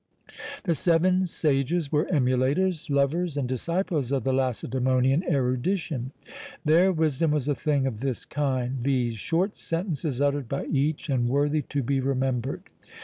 The seven sages were emulators, lovers, and disciples of the Lacedæmonian erudition. Their wisdom was a thing of this kind, viz. short sentences uttered by each, and worthy to be remembered.